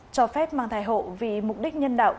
cho phép mang thai hộ vì mục đích nhân đạo